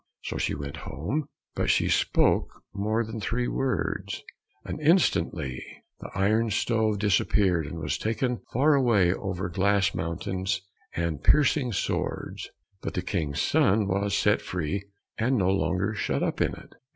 So she went home, but she spoke more than three words, and instantly the iron stove disappeared, and was taken far away over glass mountains and piercing swords; but the King's son was set free, and no longer shut up in it.